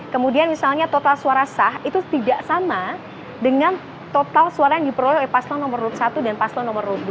kemudian misalnya total suara sah itu tidak sama dengan total suara yang diperoleh oleh paslon nomor satu dan paslon nomor dua